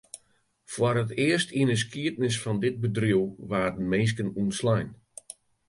Foar it earst yn 'e skiednis fan it bedriuw waarden minsken ûntslein.